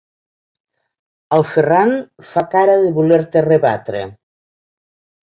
El Ferran fa cara de voler-te rebatre.